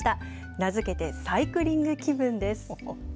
名付けて「サイクリング気分」です。